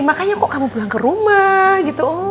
makanya kok kamu pulang ke rumah gitu